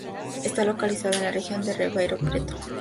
Está localizado en la región de Ribeirão Preto.